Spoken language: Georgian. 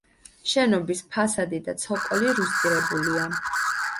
შენობის ფასადი და ცოკოლი რუსტირებულია.